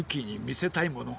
みせたいもの？